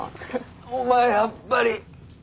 お前やっぱり。